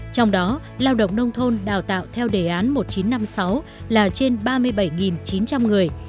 trong đó lao động nông thôn đào tạo theo đề án một nghìn chín trăm năm mươi sáu là trên ba mươi bảy chín trăm linh người